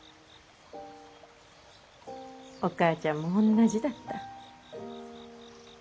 お母ちゃんも同じだった。